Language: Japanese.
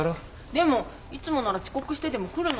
でもいつもなら遅刻してでも来るのに。